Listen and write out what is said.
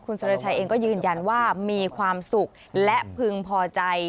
คุณสุรชัยเองก็ยืนยันว่ามีความสุขและพึงพอใจ